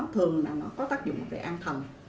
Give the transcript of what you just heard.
thường có tác dụng về an thần